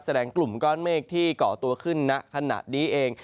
กลุ่มก้อนเมฆที่เกาะตัวขึ้นณขณะนี้เอง